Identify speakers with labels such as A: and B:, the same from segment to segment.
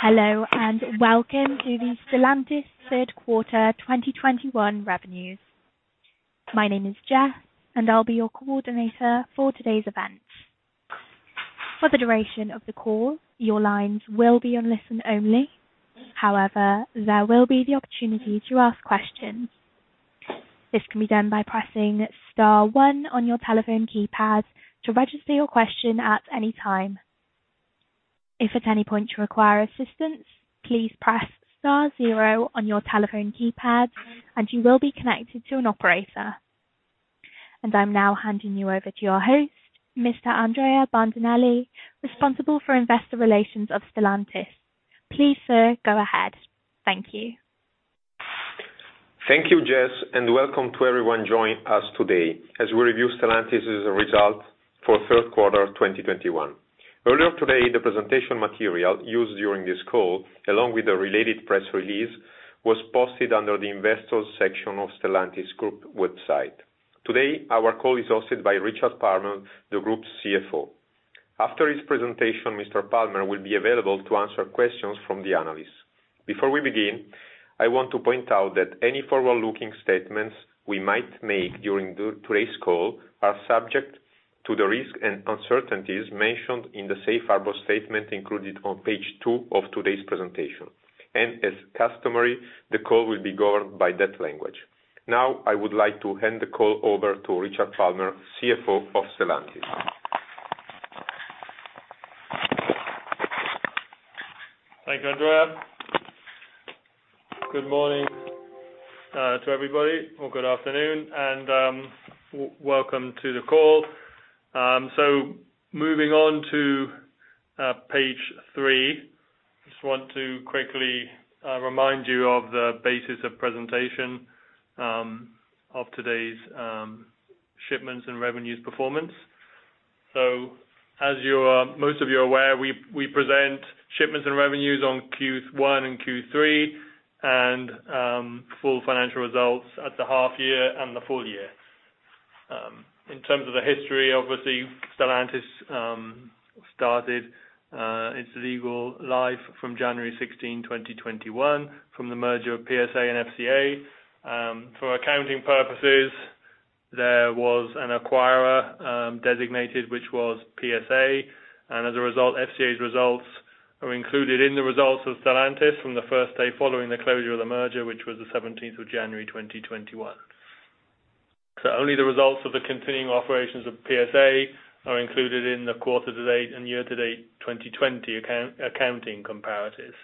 A: Hello, and welcome to the Stellantis Q3 of 2021 revenues. My name is Jess, and I'll be your coordinator for today's event. For the duration of the call, your lines will be on listen only. However, there will be the opportunity to ask questions. This can be done by pressing star 1 on your telephone keypad to register your question at any time. If at any point you require assistance, please press star zero on your telephone keypad, and you will be connected to an operator. I'm now handing you over to your host, Mr. Andrea Bandinelli, Responsible for Investor Relations of Stellantis. Please, sir, go ahead. Thank you. Thank you, Jess, and welcome to everyone joining us today as we review Stellantis' results for the Q3 of 2021. Earlier today, the presentation material used during this call, along with the related press release, was posted under the investors section of Stellantis group website. Today, our call is hosted by Richard Palmer, the group's CFO. After his presentation, Mr. Palmer will be available to answer questions from the analysts. Before we begin, I want to point out that any forward-looking statements we might make during today's call are subject to the risks and uncertainties mentioned in the safe harbor statement included on page 2 of today's presentation. As customary, the call will be governed by that language. Now, I would like to hand the call over to Richard Palmer, CFO of Stellantis.
B: Thank you, Andrea. Good morning to everybody, or good afternoon, and welcome to the call. Moving on to page 3, I just want to quickly remind you of the basis of presentation of today's shipments and revenues performance. As you are, most of you are aware, we present shipments and revenues on Q1 and Q3 and full financial results at the half year and the full year. In terms of the history, obviously, Stellantis started its legal life from January 16, 2021 from the merger of PSA and FCA. For accounting purposes, there was an acquirer designated, which was PSA, and as a result, FCA's results are included in the results of Stellantis from the 1st day following the closure of the merger, which was the 17th of January, 2021. Only the results of the continuing operations of PSA are included in the quarter to date and year to date 2020 accounting comparatives.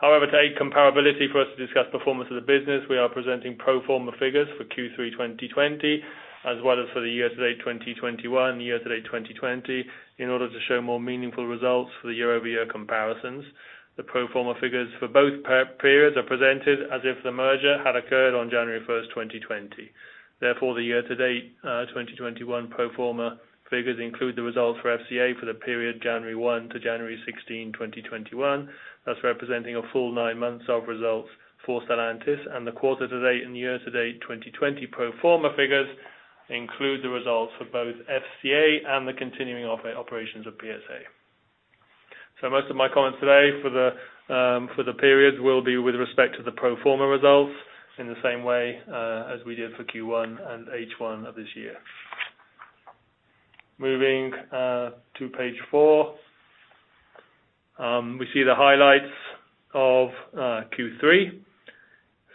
B: However, to aid comparability for us to discuss performance of the business, we are presenting pro forma figures for Q3 of 2020, as well as for the year to date 2021, year to date 2020, in order to show more meaningful results for the year-over-year comparisons. The pro forma figures for both periods are presented as if the merger had occurred on January 1st, 2020. Therefore, the year to date 2021 pro forma figures include the results for FCA for the period January 1st to January 16th, 2021, thus representing a full 9 months of results for Stellantis. The quarter to date and year to date 2020 pro forma figures include the results for both FCA and the continuing operations of PSA. Most of my comments today for the period will be with respect to the pro forma results in the same way as we did for Q1 and H1 of this year. Moving to page 4, we see the highlights of Q3.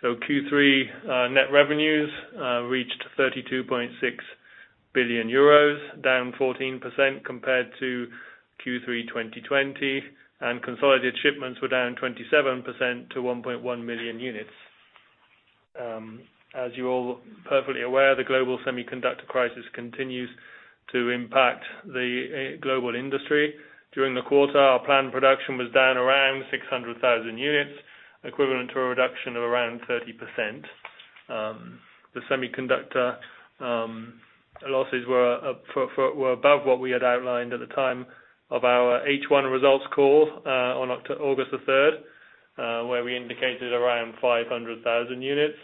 B: Q3 net revenues reached 32.6 billion euros, down 14% compared to Q3 of 2020, and consolidated shipments were down 27% to 1.1 million units. As you're all perfectly aware, the global semiconductor crisis continues to impact the global industry. During the quarter, our planned production was down around 600,000 units, equivalent to a reduction of around 30%. The semiconductor losses were above what we had outlined at the time of our H1 results call on August the 3rd, where we indicated around 500,000 units,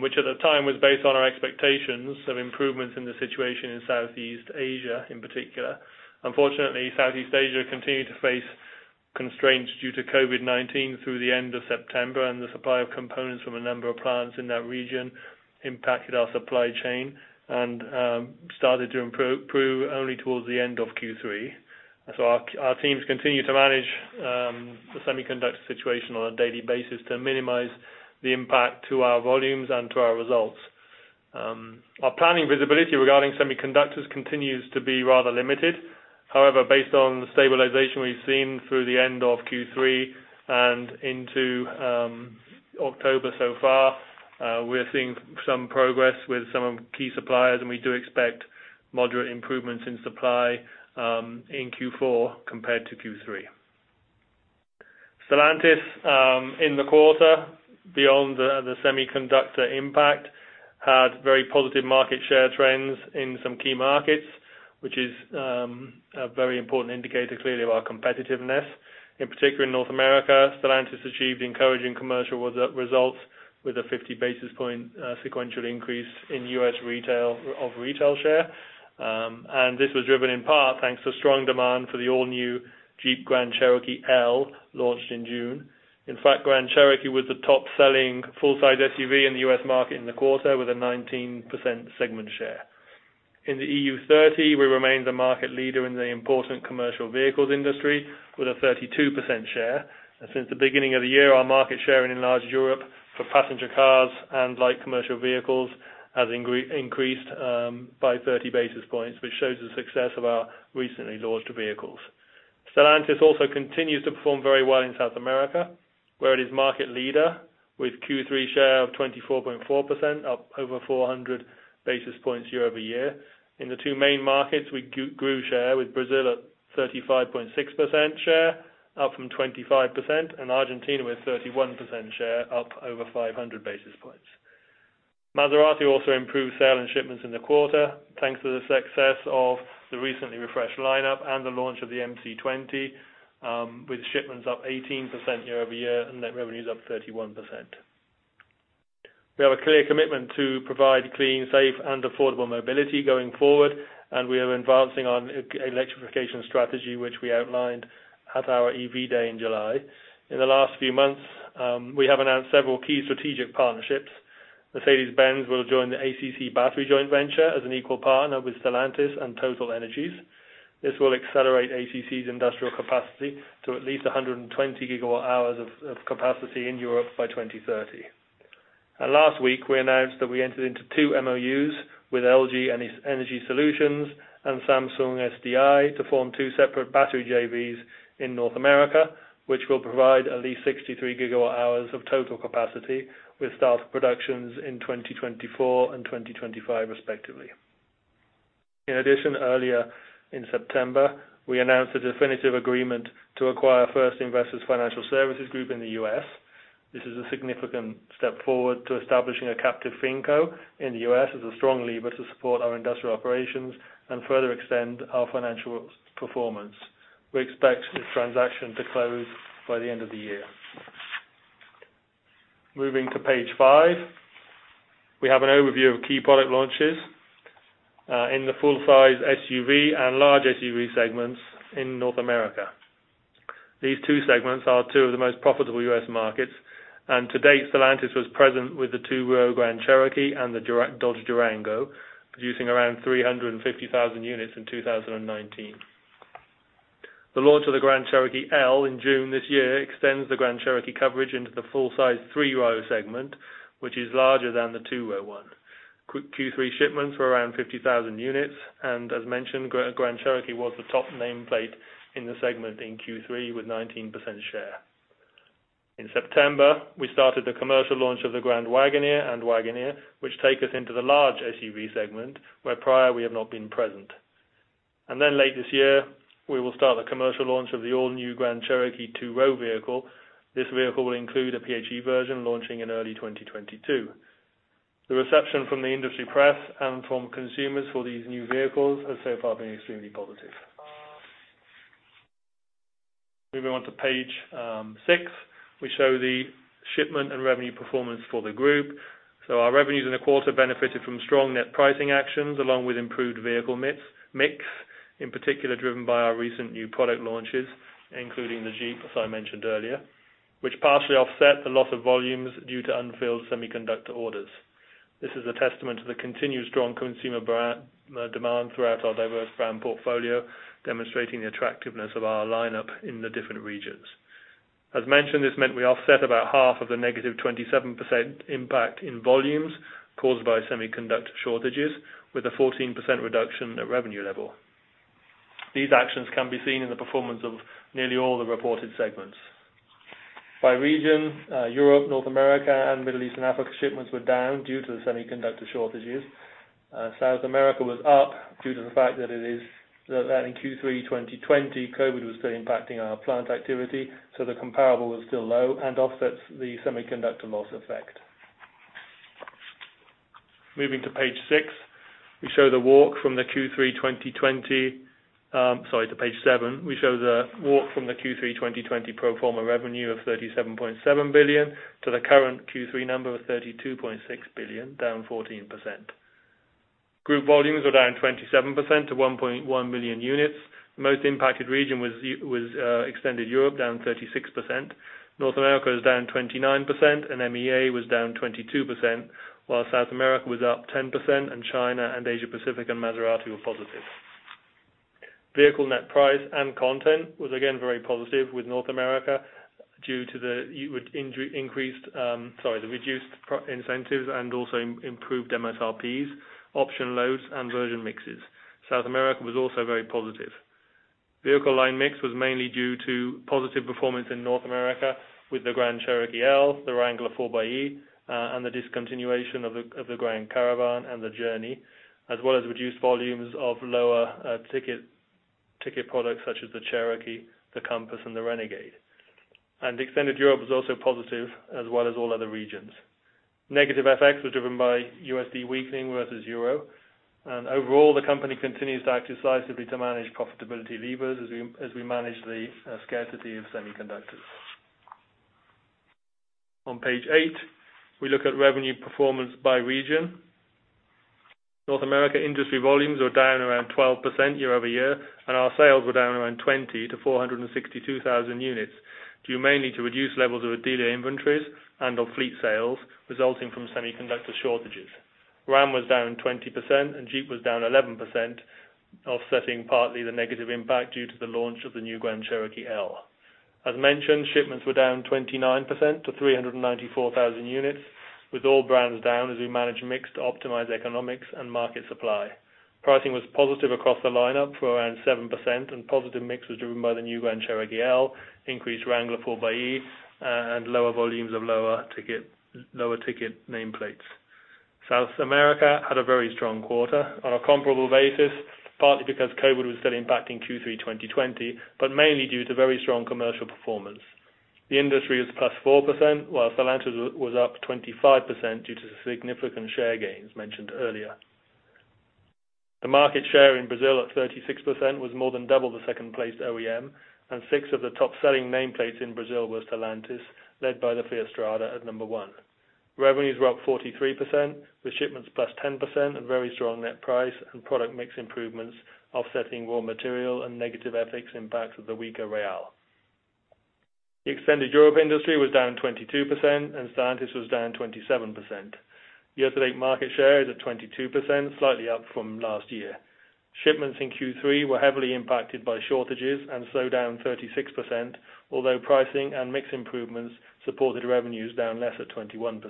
B: which at the time was based on our expectations of improvements in the situation in Southeast Asia in particular. Unfortunately, Southeast Asia continued to face constraints due to COVID-19 through the end of September, and the supply of components from a number of plants in that region impacted our supply chain and started to improve only towards the end of Q3. Our teams continue to manage the semiconductor situation on a daily basis to minimize the impact to our volumes and to our results. Our planning visibility regarding semiconductors continues to be rather limited. However, based on the stabilization we've seen through the end of Q3 and into October so far, we're seeing some progress with some key suppliers, and we do expect moderate improvements in supply in Q4 compared to Q3. Stellantis in the quarter, beyond the semiconductor impact, had very positive market share trends in some key markets, which is a very important indicator, clearly, of our competitiveness. In particular, in North America, Stellantis achieved encouraging commercial results with a 50 basis point sequential increase in U.S. retail share. This was driven in part thanks to strong demand for the all-new Jeep Grand Cherokee L launched in June. In fact, Grand Cherokee was the top-selling full-size SUV in the U.S. market in the quarter with a 19% segment share. In the EU30, we remained the market leader in the important commercial vehicles industry with a 32% share. Since the beginning of the year, our market share in large Europe for passenger cars and light commercial vehicles has increased by 30 basis points, which shows the success of our recently launched vehicles. Stellantis also continues to perform very well in South America, where it is market leader with Q3 share of 24.4%, up over 400 basis points year-over-year. In the 2 main markets, we grew share with Brazil at 35.6% share, up from 25%, and Argentina with 31% share, up over 500 basis points. Maserati also improved sales and shipments in the quarter, thanks to the success of the recently refreshed lineup and the launch of the MC20, with shipments up 18% year-over-year and net revenues up 31%. We have a clear commitment to provide clean, safe, and affordable mobility going forward, and we are advancing on electrification strategy, which we outlined at our EV Day in July. In the last few months, we have announced several key strategic partnerships. Mercedes-Benz will join the ACC battery joint venture as an equal partner with Stellantis and TotalEnergies. This will accelerate ACC's industrial capacity to at least 120 gigawatt-hours of capacity in Europe by 2030. Last week, we announced that we entered into 2 MOUs with LG Energy Solution and Samsung SDI to form 2 separate battery JVs in North America, which will provide at least 63 gigawatt-hours of total capacity with start of productions in 2024 and 2025 respectively. In addition, earlier in September, we announced a definitive agreement to acquire 1st Investors Financial Services Group in the U.S. This is a significant step forward to establishing a captive Finco in the U.S. as a strong lever to support our industrial operations and further extend our financial performance. We expect this transaction to close by the end of the year. Moving to page 5, we have an overview of key product launches in the full-size SUV and large SUV segments in North America. These 2 segments are 2 of the most profitable U.S. markets, and to date, Stellantis was present with the 2-row Grand Cherokee and the Dodge Durango, producing around 350,000 units in 2019. The launch of the Grand Cherokee L in June this year extends the Grand Cherokee coverage into the full-size 3-row segment, which is larger than the 2-row one. Q3 shipments were around 50,000 units, and as mentioned, Grand Cherokee was the top nameplate in the segment in Q3 with 19% share. In September, we started the commercial launch of the Grand Wagoneer and Wagoneer, which take us into the large SUV segment, where prior we have not been present. Late this year, we will start the commercial launch of the all new Grand Cherokee 2-row vehicle. This vehicle will include a PHEV version launching in early 2022. The reception from the industry press and from consumers for these new vehicles has so far been extremely positive. Moving on to page 6, we show the shipment and revenue performance for the group. Our revenues in the quarter benefited from strong net pricing actions along with improved vehicle mix in particular driven by our recent new product launches, including the Jeep, as I mentioned earlier, which partially offset the loss of volumes due to unfilled semiconductor orders. This is a testament to the continued strong consumer brand demand throughout our diverse brand portfolio, demonstrating the attractiveness of our lineup in the different regions. As mentioned, this meant we offset about half of the negative 27% impact in volumes caused by semiconductor shortages with a 14% reduction at revenue level. These actions can be seen in the performance of nearly all the reported segments. By region, Europe, North America, and Middle East and Africa, shipments were down due to the semiconductor shortages. South America was up due to the fact that in Q3 of 2020, COVID was still impacting our plant activity, so the comparable was still low and offsets the semiconductor loss effect. Moving to page 6, we show the walk from the Q3 of 2020 to page seven, we show the walk from the Q3 of 2020 pro forma revenue of 37.7 billion to the current Q3 number of 32.6 billion, down 14%. Group volumes were down 27% to 1.1 million units. Most impacted region was extended Europe, down 36%. North America was down 29%, and MEA was down 22%, while South America was up 10%, and China and Asia-Pacific and Maserati were positive. Vehicle net price and content was again very positive with North America due to the reduced price incentives and also improved MSRPs, option loads, and version mixes. South America was also very positive. Vehicle line mix was mainly due to positive performance in North America with the Grand Cherokee L, the Wrangler 4xe, and the discontinuation of the Grand Caravan and the Journey, as well as reduced volumes of lower ticket products such as the Cherokee, the Compass, and the Renegade. Extended Europe was also positive as well as all other regions. Negative effects were driven by USD weakening versus euro. Overall, the company continues to act decisively to manage profitability levers as we manage the scarcity of semiconductors. On page 8, we look at revenue performance by region. North America industry volumes were down around 12% year-over-year, and our sales were down around 20% to 462,000 units, due mainly to reduced levels of dealer inventories and of fleet sales resulting from semiconductor shortages. Ram was down 20% and Jeep was down 11%, offsetting partly the negative impact due to the launch of the new Grand Cherokee L. As mentioned, shipments were down 29% to 394,000 units, with all brands down as we manage mix to optimize economics and market supply. Pricing was positive across the lineup for around 7%, and positive mix was driven by the new Grand Cherokee L, increased Wrangler 4xe, and lower volumes of lower ticket nameplates. South America had a very strong quarter on a comparable basis, partly because COVID was still impacting Q3 of 2020, but mainly due to very strong commercial performance. The industry is +4%, while Stellantis was up 25% due to the significant share gains mentioned earlier. The market share in Brazil at 36% was more than double the second place OEM and 6 of the top selling nameplates in Brazil were Stellantis, led by the Fiat Strada at number 1. Revenues were up 43% with shipments +10% and very strong net price and product mix improvements offsetting raw material and negative FX impacts of the weaker real. The extended Europe industry was down 22% and Stellantis was down 27%. Year to date market share is at 22%, slightly up from last year. Shipments in Q3 were heavily impacted by shortages and slowed down 36%, although pricing and mix improvements supported revenues down less than 21%.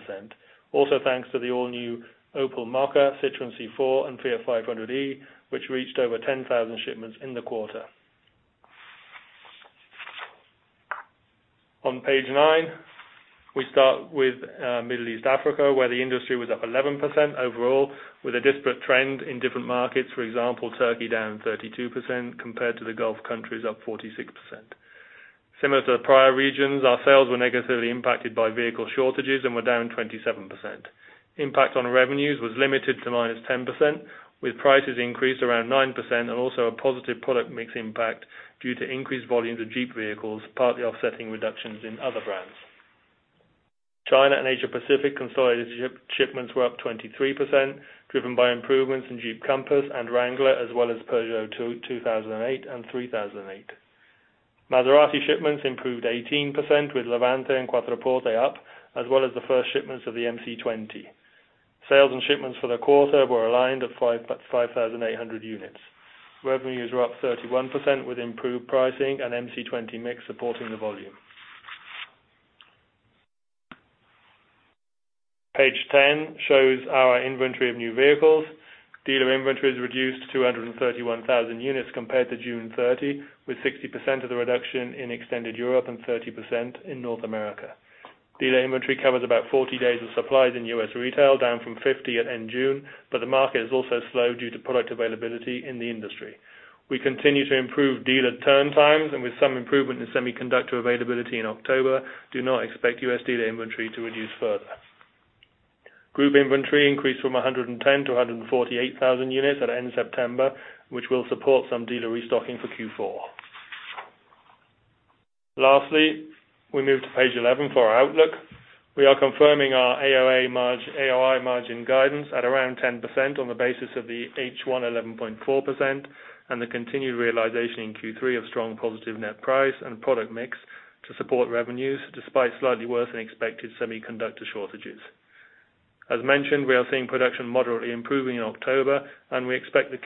B: Thanks to the all new Opel Mokka, Citroën C4, and Fiat 500e, which reached over 10,000 shipments in the quarter. On page nine, we start with Middle East Africa, where the industry was up 11% overall with a disparate trend in different markets. For example, Turkey down 32% compared to the Gulf countries up 46%. Similar to the prior regions, our sales were negatively impacted by vehicle shortages and were down 27%. Impact on revenues was limited to -10%, with prices increased around 9% and also a positive product mix impact due to increased volumes of Jeep vehicles, partly offsetting reductions in other brands. China and Asia Pacific consolidated shipments were up 23%, driven by improvements in Jeep Compass and Wrangler, as well as Peugeot 2008 and 3008. Maserati shipments improved 18% with Levante and Quattroporte up, as well as the first shipments of the MC20. Sales and shipments for the quarter were aligned at 5,800 units. Revenues were up 31% with improved pricing and MC20 mix supporting the volume. Page 10 shows our inventory of new vehicles. Dealer inventory is reduced to 231,000 units compared to June 30th, with 60% of the reduction in extended Europe and 30% in North America. Dealer inventory covers about 40 days of supplies in U.S. retail, down from 50 at end June, but the market has also slowed due to product availability in the industry. We continue to improve dealer turn times, and with some improvement in semiconductor availability in October, do not expect U.S. dealer inventory to reduce further. Group inventory increased from 110 to 148,000 units at end September, which will support some dealer restocking for Q4. Lastly, we move to page 11 for our outlook. We are confirming our AOI margin guidance at around 10% on the basis of the H1 11.4% and the continued realization in Q3 of strong positive net price and product mix to support revenues despite slightly worse than expected semiconductor shortages. As mentioned, we are seeing production moderately improving in October, and we expect the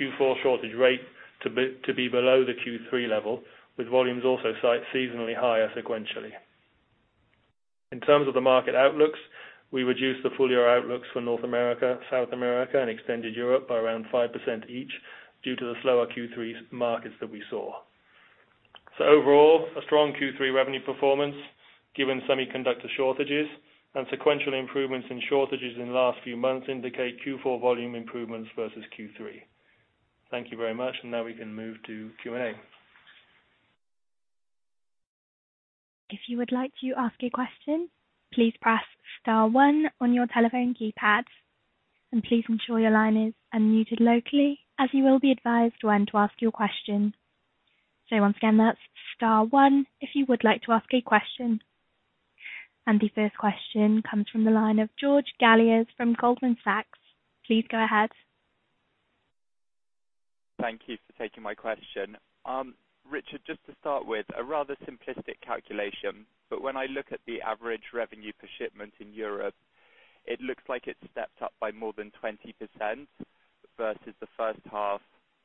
B: Q4 shortage rate to be below the Q3 level, with volumes also seasonally higher sequentially. In terms of the market outlooks, we reduced the full year outlooks for North America, South America, and extended Europe by around 5% each due to the slower Q3 markets that we saw. Overall, a strong Q3 revenue performance given semiconductor shortages and sequential improvements in shortages in the last few months indicate Q4 volume improvements versus Q3. Thank you very much, and now we can move to Q&A.
A: If you would like to ask a question, please press star one on your telephone keypad and please ensure your line is unmuted locally as you will be advised when to ask your question. Once again, that's star one if you would like to ask a question. The 1st question comes from the line of George Galliers from Goldman Sachs. Please go ahead. Thank you for taking my question. Richard, just to start with a rather simplistic calculation, but when I look at the average revenue per shipment in Europe, it looks like it stepped up by more than 20% versus the H1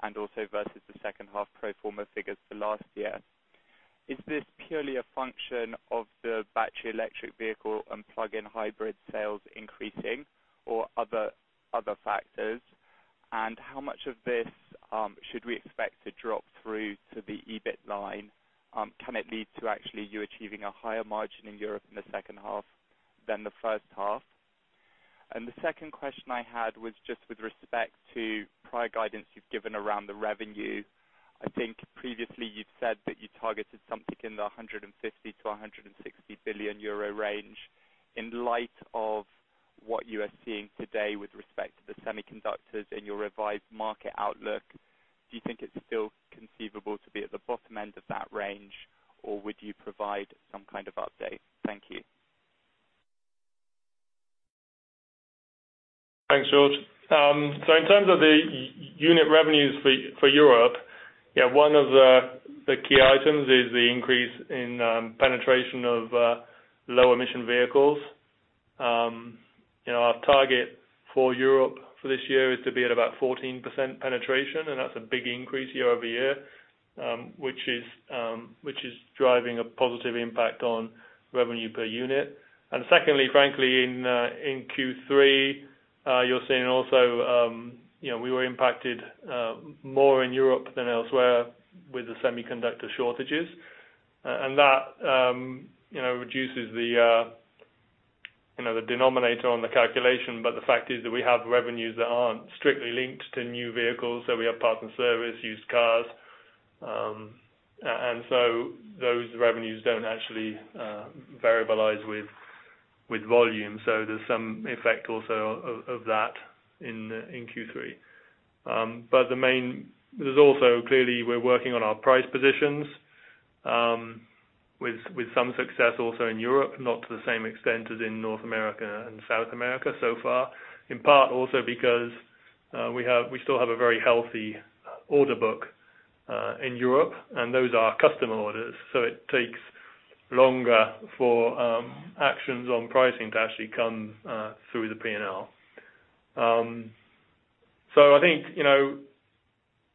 A: and also versus the H2 pro forma figures for last year. Is this purely a function of the battery electric vehicle and plug-in hybrid sales increasing or other factors? And how much of this should we expect to drop through to the EBIT line? Can it lead to actually you achieving a higher margin in Europe in the H2 than the H1? And the second question I had was just with respect to prior guidance you've given around the revenue.
B: I think previously you've said that you targeted something in the 150 billion-160 billion euro range.
C: In light of what you are seeing today with respect to the semiconductors in your revised market outlook, do you think it's still conceivable to be at the bottom end of that range, or would you provide some kind of update? Thank you.
B: Thanks, George. So in terms of the unit revenues for Europe, yeah, one of the key items is the increase in penetration of low emission vehicles. You know, our target for Europe for this year is to be at about 14% penetration, and that's a big increase year-over-year, which is driving a positive impact on revenue per unit. Secondly, frankly, in Q3, you're seeing also you know, we were impacted more in Europe than elsewhere with the semiconductor shortages. And that you know, reduces the denominator on the calculation. The fact is that we have revenues that aren't strictly linked to new vehicles. We have parts and service, used cars, and so those revenues don't actually variabilize with volume. There's some effect also of that in Q3. There's also clearly we're working on our price positions with some success also in Europe, not to the same extent as in North America and South America so far. In part also because we have, we still have a very healthy order book in Europe, and those are customer orders. It takes longer for actions on pricing to actually come through the P&L. I think, you know,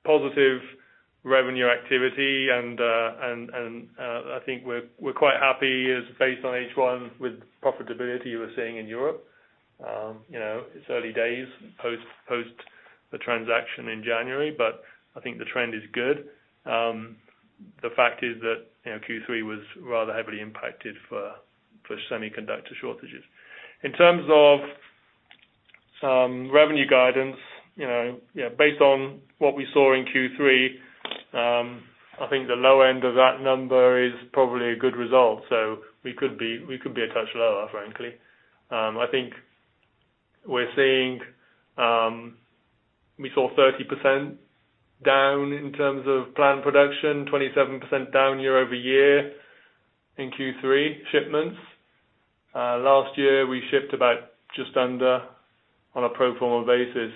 B: positive revenue activity and I think we're quite happy is based on H1 with profitability we're seeing in Europe. You know, it's early days post the transaction in January, but I think the trend is good. The fact is that, you know, Q3 was rather heavily impacted by semiconductor shortages. In terms of revenue guidance, you know, yeah, based on what we saw in Q3, I think the low end of that number is probably a good result. We could be a touch lower, frankly. I think we're seeing. We saw 30% down in terms of planned production, 27% down year-over-year in Q3 shipments. Last year, we shipped about just under 2 million vehicles in Q4 on a pro forma basis.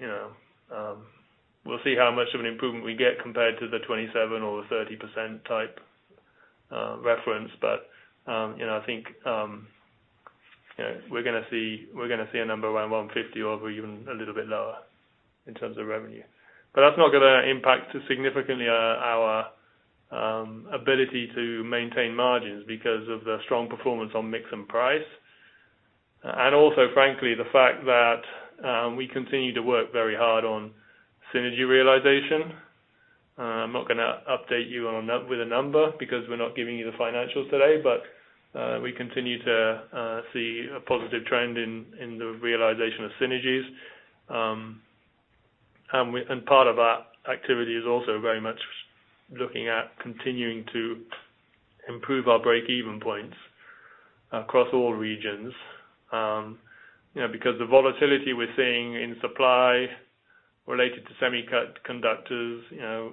B: You know, we'll see how much of an improvement we get compared to the 27% or the 30% type reference. You know, I think, you know, we're going to see a number around 150 or even a little bit lower in terms of revenue. That's not going to impact significantly our ability to maintain margins because of the strong performance on mix and price. Also, frankly, the fact that we continue to work very hard on synergy realization. I'm not going to update you with a number because we're not giving you the financials today. We continue to see a positive trend in the realization of synergies. Part of that activity is also very much looking at continuing to improve our breakeven points across all regions. You know, because the volatility we're seeing in supply related to semiconductors, you know,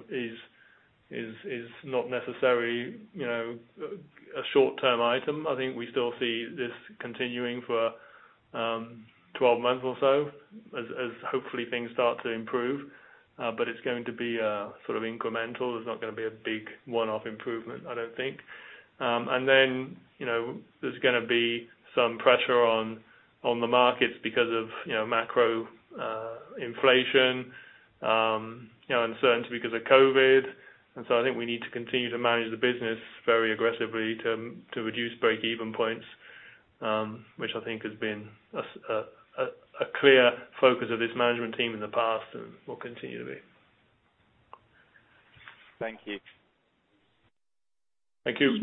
B: is not necessarily, you know, a short-term item. I think we still see this continuing for 12 months or so as hopefully things start to improve. But it's going to be sort of incremental. There's not going to be a big one-off improvement, I don't think. And then, you know, there's going to be some pressure on the markets because of, you know, macro, inflation, you know, uncertainty because of COVID. I think we need to continue to manage the business very aggressively to reduce breakeven points, which I think has been a clear focus of this management team in the past and will continue to be.
C: Thank you.
B: Thank you.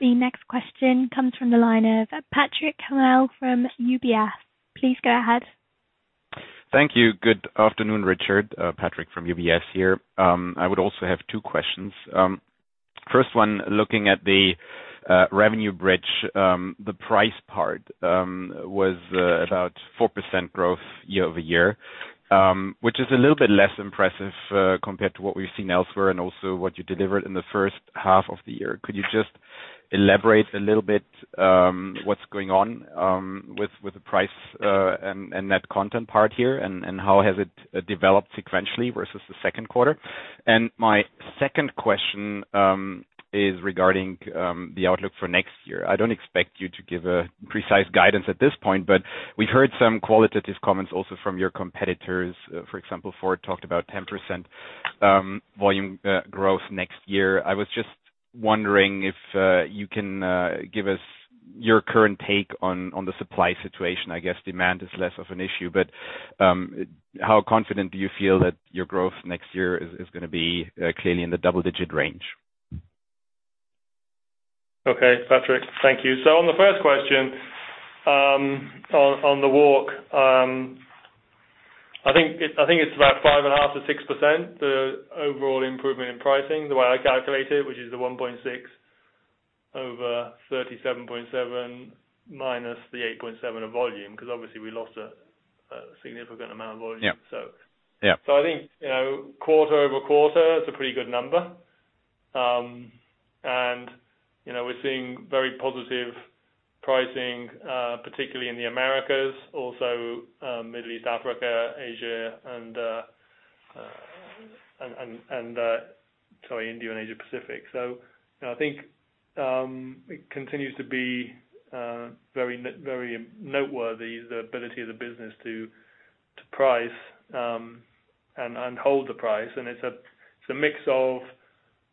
A: The next question comes from the line of Patrick Hummel from UBS. Please go ahead.
D: Thank you. Good afternoon, Richard. Patrick from UBS here. I would also have 2 questions. First one, looking at the revenue bridge, the price part was about 4% growth year-over-year. Which is a little bit less impressive compared to what we've seen elsewhere and also what you delivered in the H1 of the year. Could you just elaborate a little bit, what's going on with the price and net content part here? And how has it developed sequentially versus the H2? And my 2nd question is regarding the outlook for next year. I don't expect you to give a precise guidance at this point, but we heard some qualitative comments also from your competitors. For example, Ford talked about 10% volume growth next year. I was just wondering if you can give us your current take on the supply situation. I guess demand is less of an issue. How confident do you feel that your growth next year is going to be clearly in the double-digit range?
B: Okay, Patrick. Thank you. On the first question, on the walk, I think it's about 5.5% to 6%, the overall improvement in pricing, the way I calculate it, which is the 1.6 over 37.7 minus the 8.7 of volume, because obviously we lost a significant amount of volume. Yeah. So-
D: Yeah. I think, you know, quarter-over-quarter is a pretty good number. You know, we're seeing very positive pricing, particularly in the Americas, also Middle East, Africa, Asia, and sorry, India and Asia Pacific. You know, I think it continues to be very noteworthy, the ability of the business to price and hold the price. And it's a mix of,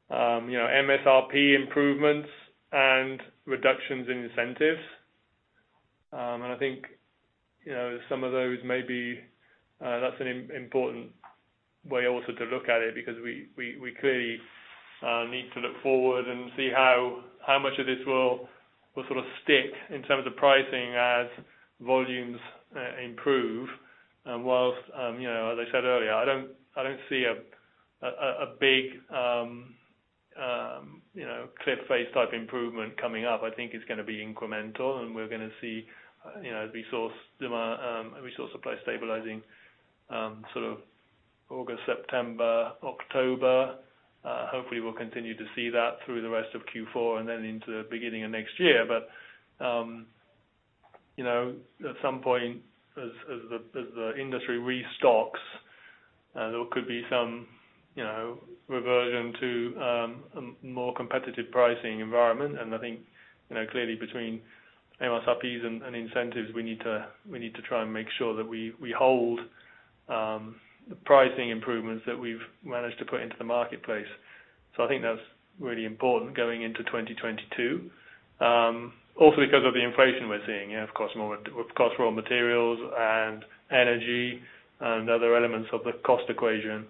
D: you know, MSRP improvements and reductions in incentives. I think, you know, some of those may be that's an important way also to look at it because we clearly need to look forward and see how much of this will sort of stick in terms of pricing as volumes improve.
B: While, you know, as I said earlier, I don't see a big, you know, cliff face type improvement coming up. I think it's going to be incremental, and we're going to see, you know, resource demand, resource supply stabilizing, sort of August, September, October. Hopefully we'll continue to see that through the rest of Q4 and then into the beginning of next year. You know, at some point as the industry restocks, there could be some, you know, reversion to a more competitive pricing environment. I think, you know, clearly between MSRPs and incentives, we need to try and make sure that we hold the pricing improvements that we've managed to put into the marketplace. I think that's really important going into 2022. Also because of the inflation we're seeing, you know, of course more, of course, raw materials and energy and other elements of the cost equation.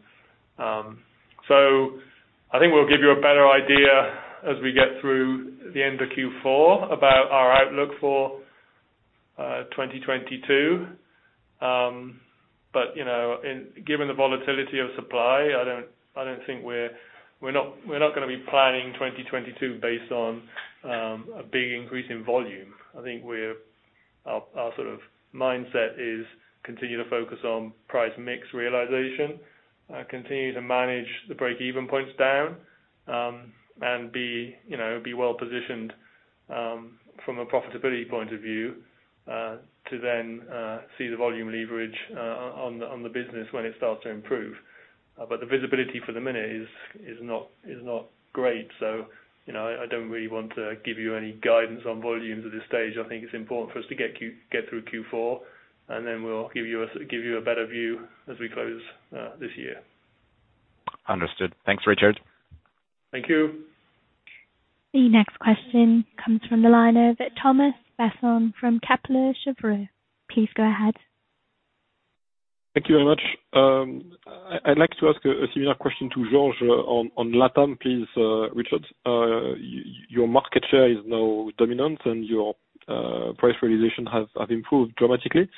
B: I think we'll give you a better idea as we get through the end of Q4 about our outlook for 2022. Given the volatility of supply, I don't think we're going to be planning 2022 based on a big increase in volume. I think our sort of mindset is continue to focus on price mix realization, continue to manage the break even points down, and be, you know, well positioned from a profitability point of view to then see the volume leverage on the business when it starts to improve. The visibility for the moment is not great. You know, I don't really want to give you any guidance on volumes at this stage. I think it's important for us to get through Q4, and then we'll give you a better view as we close this year.
D: Understood. Thanks, Richard.
B: Thank you.
A: The next question comes from the line of Thomas Besson from Kepler Cheuvreux. Please go ahead.
E: Thank you very much. I'd like to ask a similar question to George on Latam, please, Richard. Your market share is now dominant, and your price realization have improved dramatically.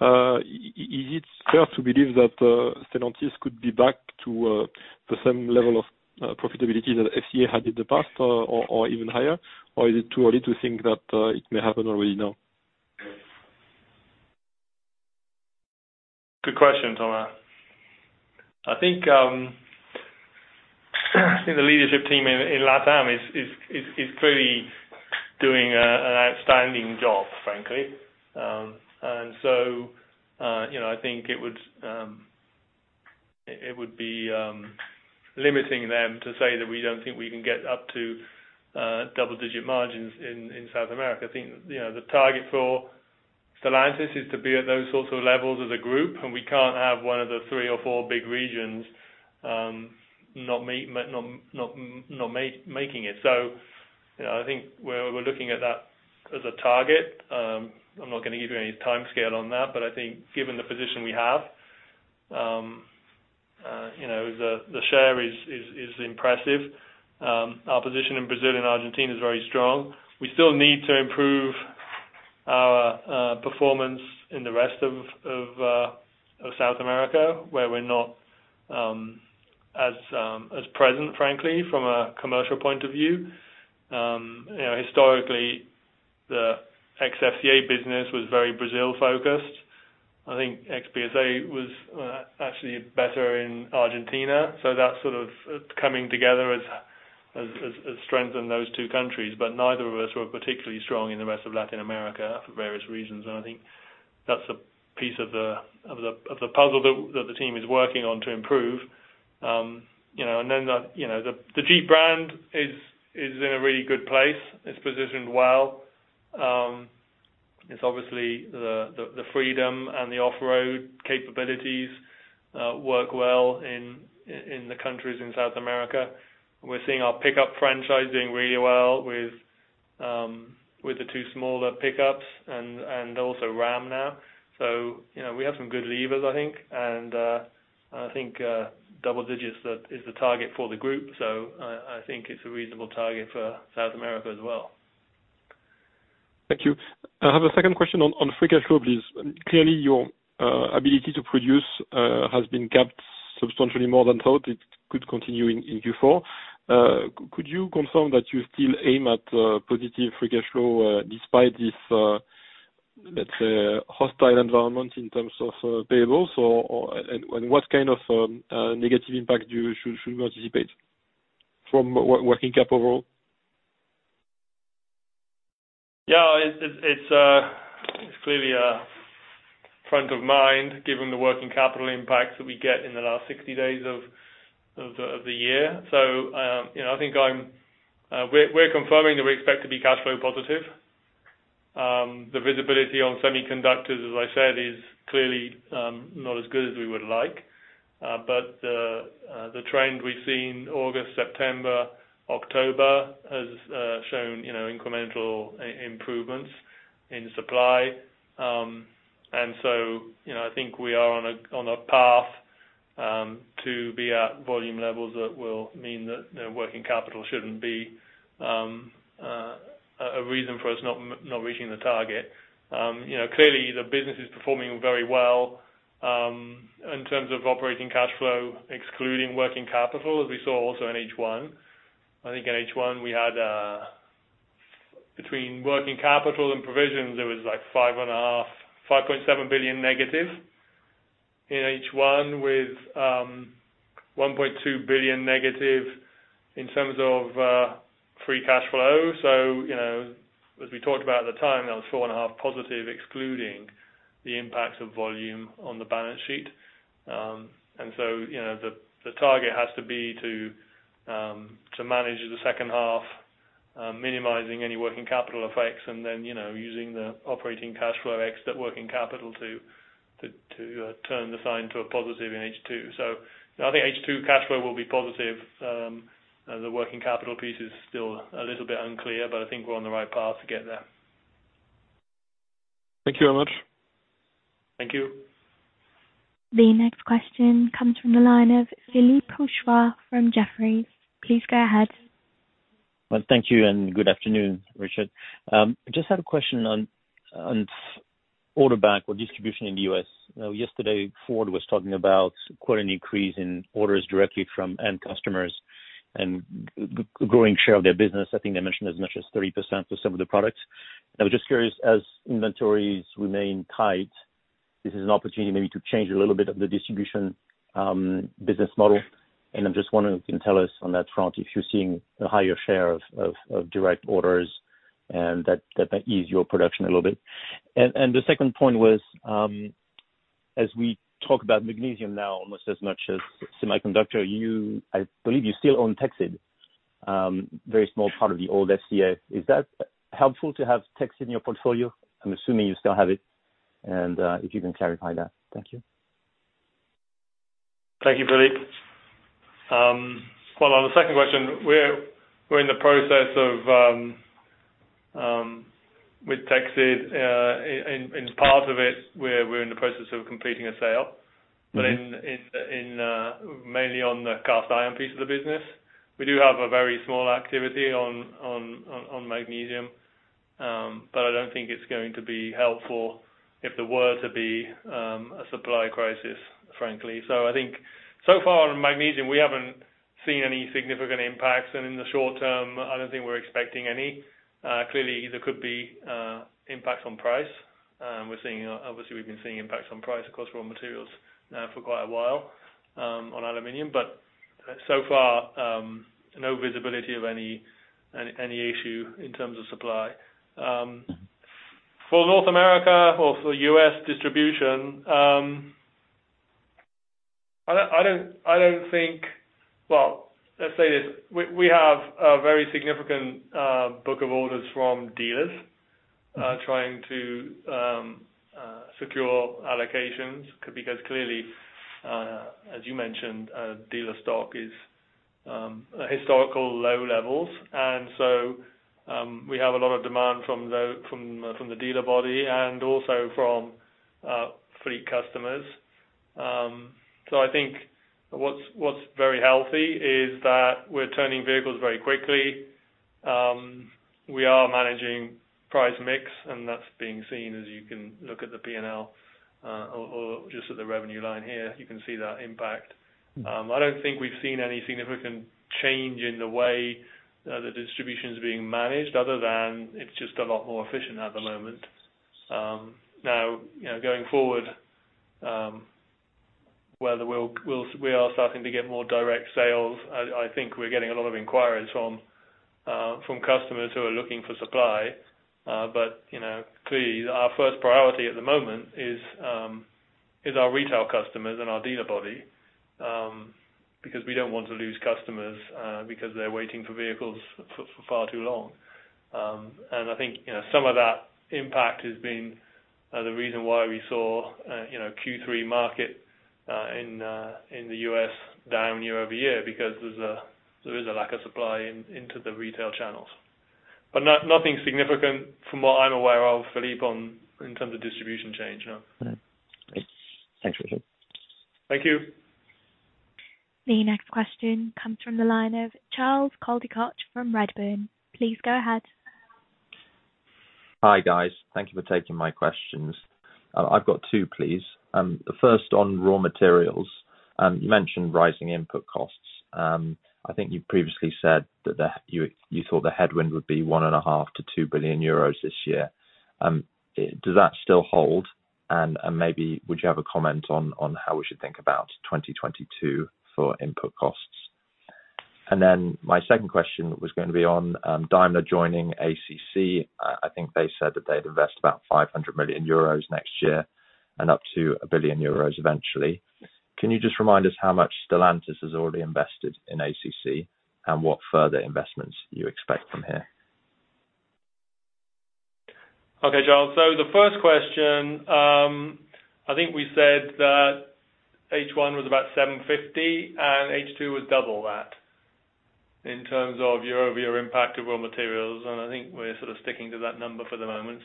E: Is it fair to believe that Stellantis could be back to the same level of profitability that FCA had in the past, or even higher? Or is it too early to think that it may happen already now?
B: Good question, Thomas. I think the leadership team in LATAM is clearly doing an outstanding job, frankly. You know, I think it would be limiting them to say that we don't think we can get up to double-digit margins in South America. I think, you know, the target for Stellantis is to be at those sorts of levels as a group, and we can't have one of the 3 or 4 big regions not making it. You know, I think we're looking at that as a target. I'm not going to give you any timescale on that. I think given the position we have, you know, the share is impressive. Our position in Brazil and Argentina is very strong. We still need to improve our performance in the rest of South America, where we're not as present, frankly, from a commercial point of view. You know, historically the ex-FCA business was very Brazil focused. I think ex-PSA was actually better in Argentina. That sort of coming together has strengthened those 2 countries, but neither of us were particularly strong in the rest of Latin America for various reasons. I think that's a piece of the puzzle that the team is working on to improve. You know, the Jeep brand is in a really good place. It's positioned well. It's obviously the freedom and the off-road capabilities work well in the countries in South America. We're seeing our pickup franchise doing really well with the 2 smaller pickups and also Ram now. You know, we have some good levers I think, and I think double digits that is the target for the group. I think it's a reasonable target for South America as well.
E: Thank you. I have a 2nd question on free cash flow, please. Clearly, your ability to produce has been capped substantially more than thought. It could continue in Q4. Could you confirm that you still aim at positive free cash flow despite this, let's say, hostile environment in terms of payables and what kind of negative impact should we anticipate from working capital?
B: It's clearly front of mind given the working capital impact that we get in the last 60 days of the year. You know, I think we're confirming that we expect to be cash flow positive. The visibility on semiconductors, as I said, is clearly not as good as we would like. The trend we've seen in August, September, October has shown, you know, incremental improvements in supply. You know, I think we are on a path to be at volume levels that will mean that, you know, working capital shouldn't be a reason for us not reaching the target. You know, clearly the business is performing very well in terms of operating cash flow, excluding working capital, as we saw also in H1. I think in H1 we had between working capital and provisions, there was like 5.5 billion, 5.7 billion negative in H1 with 1.2 billion negative in terms of free cash flow. You know, as we talked about at the time, that was 4.5 billion positive excluding the impact of volume on the balance sheet. You know, the target has to be to manage the H2, minimizing any working capital effects and then you know, using the operating cash flow ex that working capital to turn the sign to a positive in H2. I think H2 cash flow will be positive. The working capital piece is still a little bit unclear, but I think we're on the right path to get there.
E: Thank you very much.
B: Thank you.
A: The next question comes from the line of Philippe Houchois from Jefferies. Please go ahead.
F: Well, thank you and good afternoon, Richard. Just had a question on order bank or distribution in the U.S. You know, yesterday Ford was talking about quite an increase in orders directly from end customers and growing share of their business. I think they mentioned as much as 30% for some of the products. I was just curious, as inventories remain tight, this is an opportunity maybe to change a little bit of the distribution business model. I'm just wondering if you can tell us on that front, if you're seeing a higher share of direct orders and that might ease your production a little bit. The 2nd point was, as we talk about magnesium now almost as much as semiconductors, you, I believe you still own Teksid, very small part of the old FCA. Is that helpful to have Teksid in your portfolio? I'm assuming you still have it, and if you can clarify that. Thank you.
B: Thank you, Philippe. Well, on the second question, with Teksid, in part of it, we're in the process of completing a sale.
F: Mm-hmm.
B: In mainly on the cast iron piece of the business, we do have a very small activity on magnesium. I don't think it's going to be helpful if there were to be a supply crisis, frankly. I think so far in magnesium, we haven't seen any significant impacts, and in the short term, I don't think we're expecting any. Clearly there could be impacts on price. We're seeing, obviously, we've been seeing impacts on price across raw materials now for quite a while, on aluminum. So far, no visibility of any issue in terms of supply. For North America or for U.S. distribution, I don't think. Well, let's say this. We have a very significant book of orders from dealers trying to secure allocations because clearly, as you mentioned, dealer stock is at historical low levels. We have a lot of demand from the dealer body and also from fleet customers. I think what's very healthy is that we're turning vehicles very quickly. We are managing price mix, and that's being seen as you can look at the P&L or just at the revenue line here, you can see that impact. I don't think we've seen any significant change in the way the distribution is being managed other than it's just a lot more efficient at the moment. Now, you know, going forward, whether we are starting to get more direct sales, I think we're getting a lot of inquiries from customers who are looking for supply. You know, clearly our first priority at the moment is our retail customers and our dealer body, because we don't want to lose customers because they're waiting for vehicles for far too long. I think, you know, some of that impact has been the reason why we saw, you know, Q3 market in the U.S. down year-over-year because there is a lack of supply into the retail channels. Nothing significant from what I'm aware of, Philippe, in terms of distribution change. Yeah.
F: All right. Thanks, Richard.
B: Thank you.
A: The next question comes from the line of Charles Coldicott from Redburn. Please go ahead.
G: Hi, guys. Thank you for taking my questions. I've got 2, please. The 1st on raw materials. You mentioned rising input costs. I think you previously said that you thought the headwind would be 1.5 billion-2 billion euros this year. Does that still hold? And maybe would you have a comment on how we should think about 2022 for input costs? And then my 2nd question was going to be on Daimler joining ACC. I think they said that they'd invest about 500 million euros next year and up to 1 billion euros eventually. Can you just remind us how much Stellantis has already invested in ACC and what further investments you expect from here?
B: Okay, Charles. The 1st question, I think we said that H1 was about 750 million, and H2 was double that in terms of year-over-year impact of raw materials. I think we're sort of sticking to that number for the moment.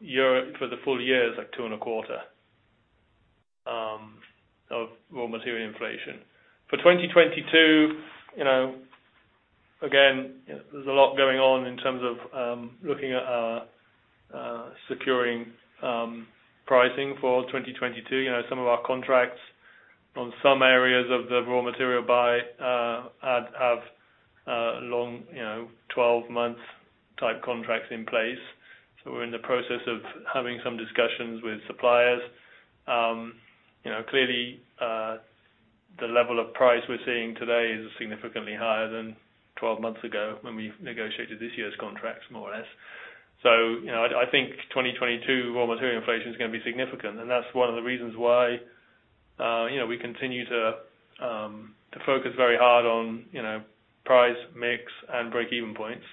B: For the full year is like 2.25 billion of raw material inflation. For 2022, you know, again, you know, there's a lot going on in terms of looking at securing pricing for 2022. You know, some of our contracts on some areas of the raw material buy have long, you know, 12-month type contracts in place. We're in the process of having some discussions with suppliers. You know, clearly, the level of price we're seeing today is significantly higher than 12 months ago when we negotiated this year's contracts more or less. You know, I think 2022 raw material inflation is going to be significant. That's one of the reasons why, you know, we continue to focus very hard on, you know, price, mix, and break-even points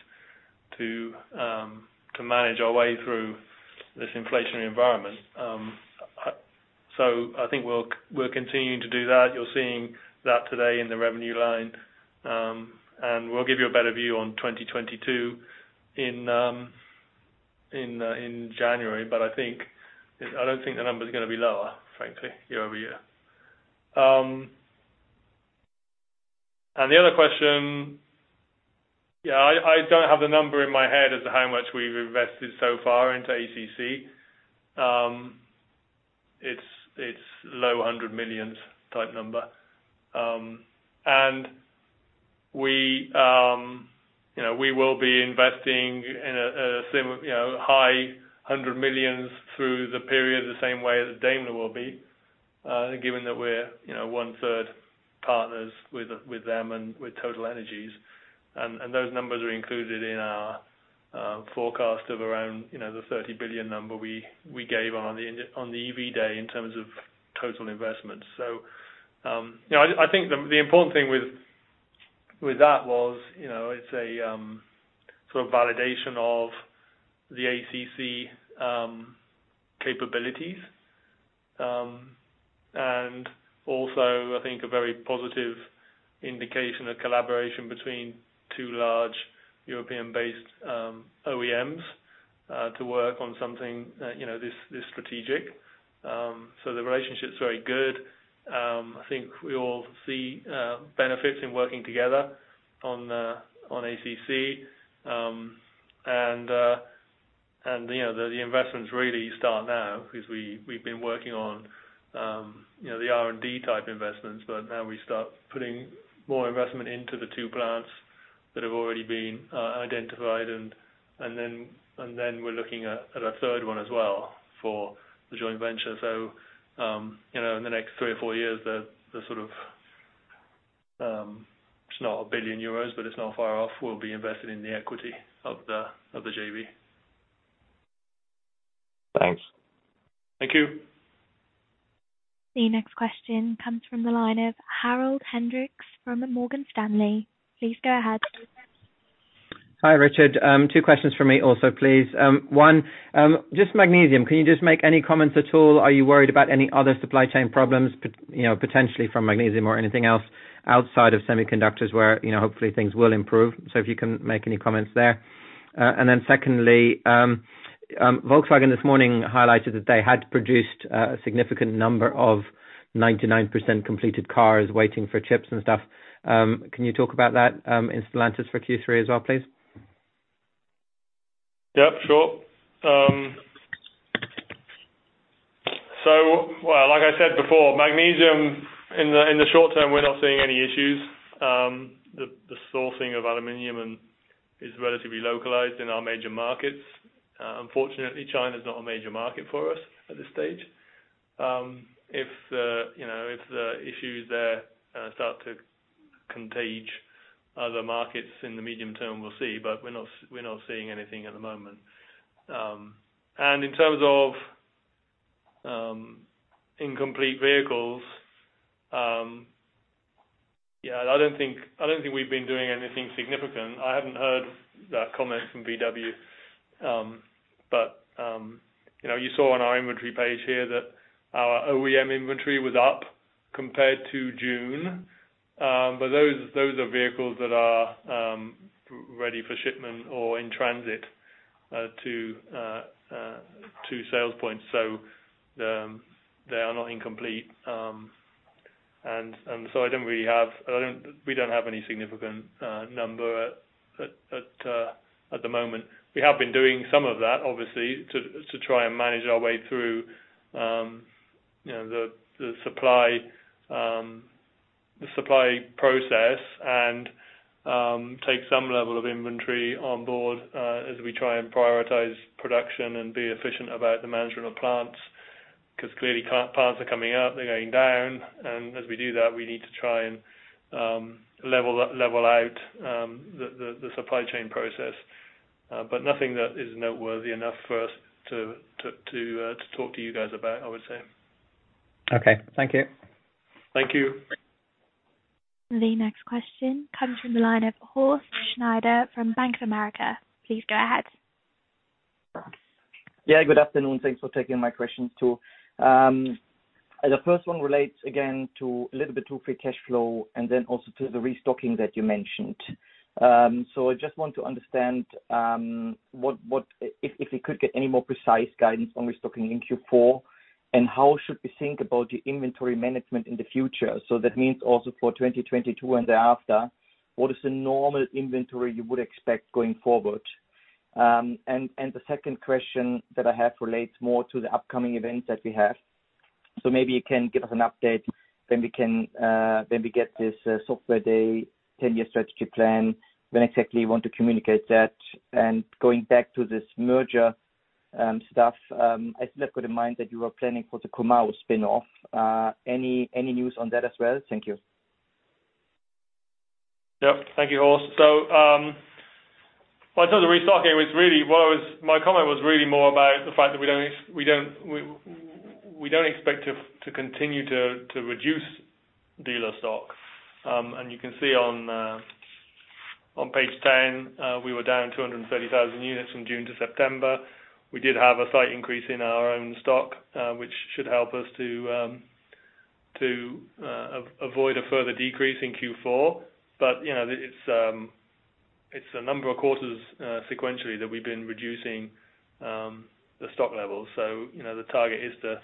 B: to manage our way through this inflationary environment. I think we'll continue to do that. You're seeing that today in the revenue line. We'll give you a better view on 2022 in January. I don't think the number's going to be lower, frankly, year over year. The other question. Yeah, I don't have the number in my head as to how much we've invested so far into ACC. It's low hundreds of millions type number. We will be investing in high hundreds of millions through the period the same way as Daimler will be, given that we're one-third partners with them and with TotalEnergies. Those numbers are included in our forecast of around the 30 billion number we gave on the EV Day in terms of total investments. I think the important thing with that was it's a sort of validation of the ACC capabilities. I think a very positive indication of collaboration between 2 large European-based OEMs to work on something you know this strategic. The relationship's very good. I think we all see benefits in working together on ACC. You know the investments really start now because we've been working on you know the R&D type investments, but now we start putting more investment into the 2 plants that have already been identified. Then we're looking at a 3rd one as well for the joint venture. You know in the next 3 or 4 years the sort of it's not 1 billion euros, but it's not far off, will be invested in the equity of the JV.
G: Thanks.
B: Thank you.
A: The next question comes from the line of Harald Hendrikse from Morgan Stanley. Please go ahead.
H: Hi, Richard. 2 questions from me also, please. 1, just magnesium. Can you just make any comments at all? Are you worried about any other supply chain problems, you know, potentially from magnesium or anything else outside of semiconductors where, you know, hopefully things will improve? If you can make any comments there. And then secondly, Volkswagen this morning highlighted that they had produced a significant number of 99% completed cars waiting for chips and stuff. Can you talk about that in Stellantis for Q3 as well, please?
B: Yep, sure. Well, like I said before, magnesium in the short term, we're not seeing any issues. The sourcing of aluminum and is relatively localized in our major markets. Unfortunately, China's not a major market for us at this stage. If you know, if the issues there start to contagion other markets in the medium term, we'll see, but we're not seeing anything at the moment. In terms of incomplete vehicles, yeah, I don't think we've been doing anything significant. I haven't heard that comment from VW. You know, you saw on our inventory page here that our OEM inventory was up compared to June. Those are vehicles that are ready for shipment or in transit to sales points. They are not incomplete. We don't have any significant number at the moment. We have been doing some of that obviously to try and manage our way through, you know, the supply process and take some level of inventory on board as we try and prioritize production and be efficient about the management of plants. Because clearly plants are coming up, they're going down, and as we do that, we need to try and level out the supply chain process. Nothing that is noteworthy enough for us to talk to you guys about, I would say.
H: Okay. Thank you.
B: Thank you.
A: The next question comes from the line of Horst Schneider from Bank of America. Please go ahead.
I: Yeah, good afternoon. Thanks for taking my questions too. The 1st one relates again to a little bit to free cash flow and then also to the restocking that you mentioned. I just want to understand what if we could get any more precise guidance on restocking in Q4, and how should we think about your inventory management in the future? That means also for 2022 and thereafter, what is the normal inventory you would expect going forward? The 2nd question that I have relates more to the upcoming events that we have. Maybe you can give us an update, then we get this software day, 10-year strategy plan, when exactly you want to communicate that. Going back to this merger stuff, I still have got in mind that you are planning for the Comau spin off. Any news on that as well? Thank you.
B: Yep. Thank you, Horst. I thought the restocking was really my comment was really more about the fact that we don't expect to continue to reduce dealer stock. You can see on page 10, we were down 230,000 units from June to September. We did have a slight increase in our own stock, which should help us to avoid a further decrease in Q4. It's a number of quarters sequentially that we've been reducing the stock levels. The target is to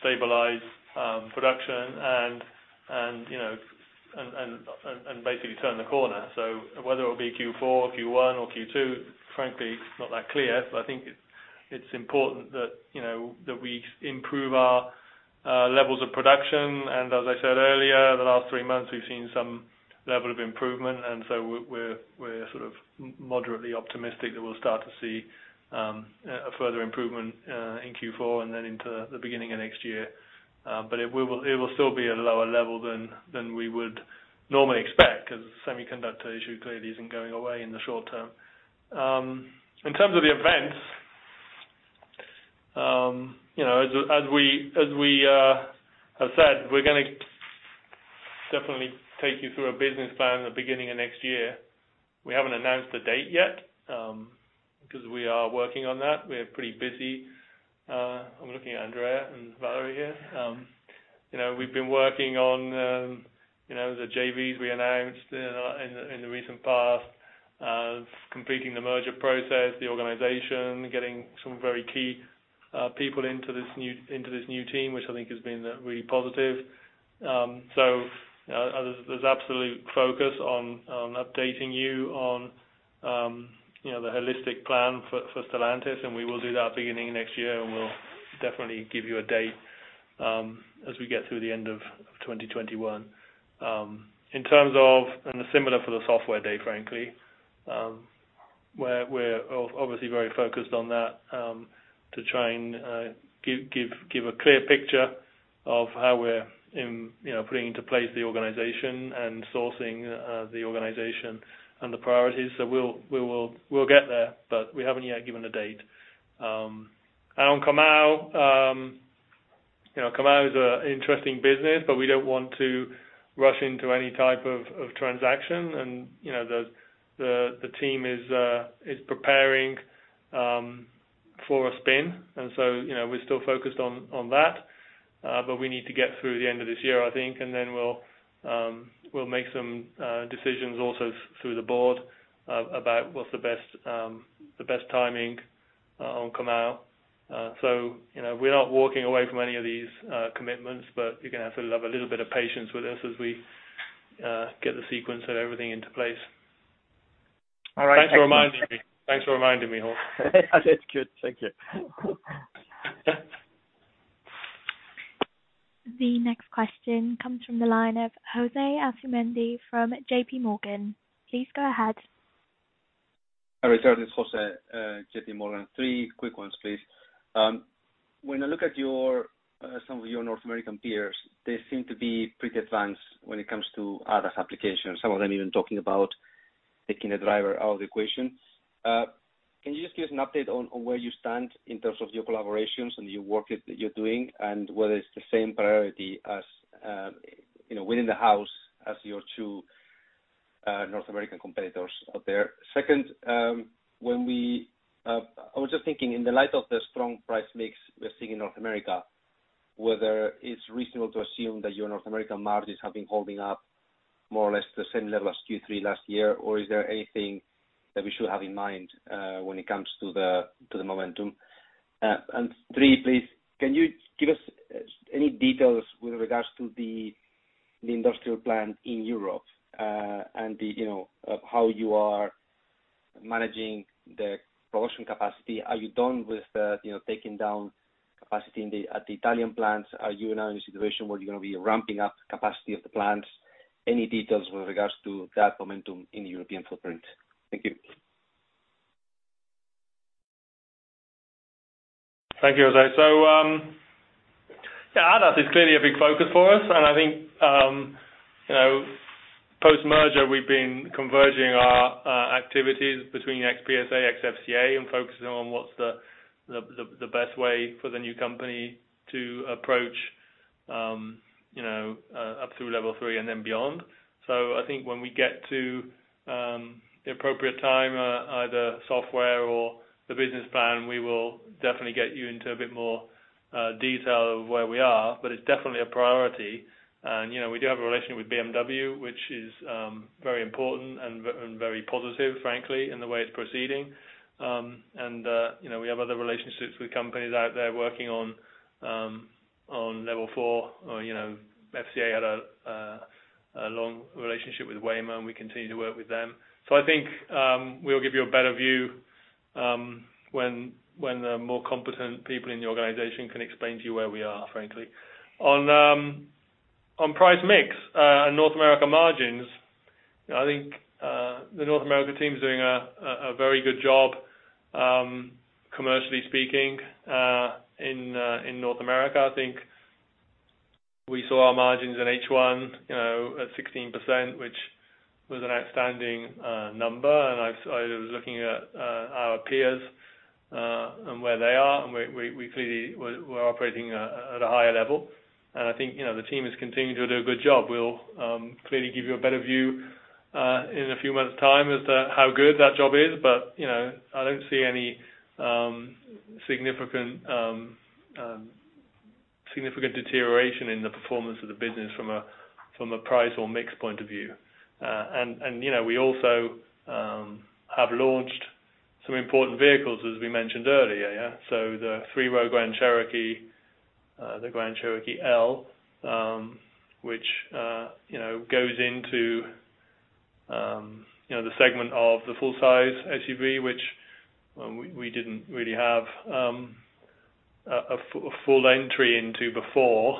B: stabilize production and basically turn the corner. Whether it be Q4, Q1 or Q2, frankly, it's not that clear. I think it's important that, you know, that we improve our levels of production. As I said earlier, the last 3 months, we've seen some level of improvement. We're sort of moderately optimistic that we'll start to see a further improvement in Q4 and then into the beginning of next year. It will still be at a lower level than we would normally expect, because the semiconductor issue clearly isn't going away in the short term. In terms of the events, you know, as we have said, we're going to definitely take you through a business plan the beginning of next year. We haven't announced a date yet, because we are working on that. We are pretty busy. I'm looking at Andrea and Valerie here. You know, we've been working on, you know, the JVs we announced in the recent past of completing the merger process, the organization, getting some very key people into this new team, which I think has been really positive. There's absolute focus on updating you on, you know, the holistic plan for Stellantis, and we will do that beginning of next year. We'll definitely give you a date as we get through the end of 2021. In terms of and similar for the software day, frankly, we're obviously very focused on that to try and give a clear picture of how we're, you know, putting into place the organization and sourcing the organization and the priorities. We'll get there, but we haven't yet given a date. On Comau, you know, Comau is an interesting business, but we don't want to rush into any type of transaction. You know, the team is preparing for a spin. You know, we're still focused on that, but we need to get through the end of this year, I think, and then we'll make some decisions also through the board about what's the best timing on Comau. You know, we're not walking away from any of these commitments, but you're going to have to have a little bit of patience with us as we get the sequence of everything into place.
I: All right.
B: Thanks for reminding me, Horst.
I: That's good. Thank you.
A: The next question comes from the line of Jose Asumendi from JP Morgan. Please go ahead.
J: Hi, Richard. It's Jose, JP Morgan. 3 quick ones, please. When I look at your some of your North American peers, they seem to be pretty advanced when it comes to ADAS applications, some of them even talking about taking the driver out of the equation. Can you just give us an update on where you stand in terms of your collaborations and the work that you're doing, and whether it's the same priority as you know, within the house as your 2 North American competitors out there? 2nd, I was just thinking in the light of the strong price mix we're seeing in North America. Whether it's reasonable to assume that your North American margins have been holding up more or less the same level as Q3 last year, or is there anything that we should have in mind when it comes to the momentum? 3, please, can you give us any details with regards to the industrial plan in Europe, and you know, how you are managing the production capacity? Are you done with taking down capacity at the Italian plants? Are you now in a situation where you're going to be ramping up capacity of the plants? Any details with regards to that momentum in European footprint? Thank you.
B: Thank you, José. ADAS is clearly a big focus for us. I think post-merger, we've been converging our activities between ex-PSA, ex-FCA, and focusing on what's the best way for the new company to approach up through level 3 and then beyond. I think when we get to the appropriate time, either software or the business plan, we will definitely get you into a bit more detail of where we are. It's definitely a priority. We do have a relationship with BMW, which is very important and very positive, frankly, in the way it's proceeding. We have other relationships with companies out there working on level 4. You know, FCA had a long relationship with Waymo, and we continue to work with them. I think we'll give you a better view when the more competent people in the organization can explain to you where we are, frankly. On price mix and North America margins, I think the North America team is doing a very good job, commercially speaking, in North America. I think we saw our margins in H1, you know, at 16%, which was an outstanding number. I was looking at our peers and where they are, and we clearly are operating at a higher level. I think, you know, the team has continued to do a good job. We'll clearly give you a better view in a few months' time as to how good that job is. You know, I don't see any significant deterioration in the performance of the business from a price or mix point of view. You know, we also have launched some important vehicles, as we mentioned earlier, yeah? The 3-row Grand Cherokee, the Grand Cherokee L, which you know goes into the segment of the full-size SUV, which we didn't really have a full entry into before,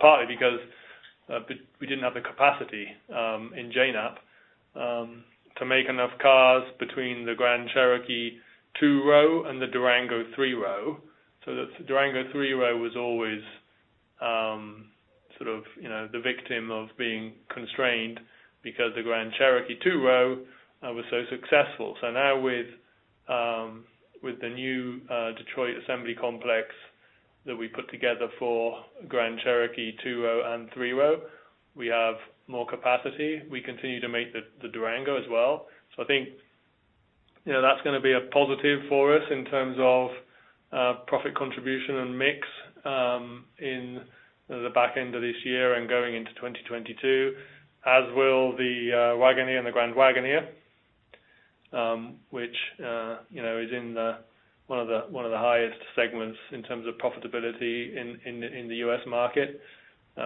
B: partly because we didn't have the capacity in JNAP to make enough cars between the Grand Cherokee 2-row and the Durango 3-row. The Durango 3-row was always, sort of, you know, the victim of being constrained because the Grand Cherokee 2-row was so successful. Now with the new Detroit Assembly Complex that we put together for Grand Cherokee 2-row and 3-row, we have more capacity. We continue to make the Durango as well. I think, you know, that's going to be a positive for us in terms of profit contribution and mix in the back end of this year and going into 2022, as will the Wagoneer and the Grand Wagoneer, which, you know, is in one of the highest segments in terms of profitability in the U.S. market.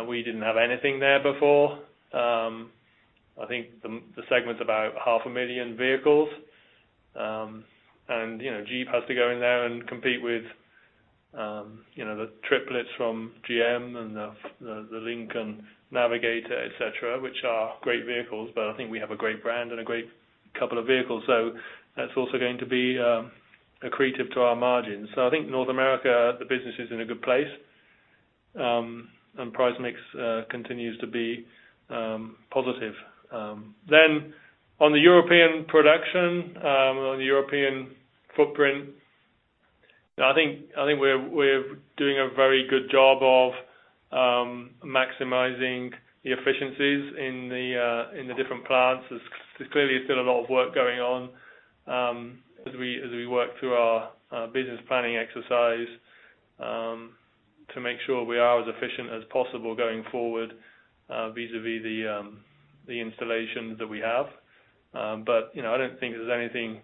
B: We didn't have anything there before. I think the segment's about 500,000 vehicles. You know, Jeep has to go in there and compete with the triplets from GM and the Lincoln Navigator, et cetera, which are great vehicles, but I think we have a great brand and a great couple of vehicles. That's also going to be accretive to our margins. I think North America, the business is in a good place, and price mix continues to be positive. On the European production, on the European footprint, I think we're doing a very good job of maximizing the efficiencies in the different plants. There's clearly still a lot of work going on, as we work through our business planning exercise, to make sure we are as efficient as possible going forward, vis-à-vis the installations that we have. You know, I don't think there's anything